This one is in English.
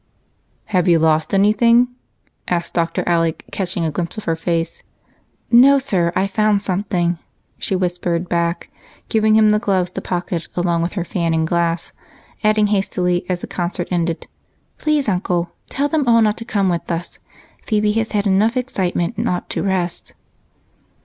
"Have you lost anything?" asked Dr. Alec, catching a glimpse of her face. "No, sir, I've found something," she whispered back, giving him the gloves to pocket along with her fan and glass, adding hastily as the concert ended, "Please, Uncle, tell them all not to come with us. Phebe has had enough excitement and ought to rest."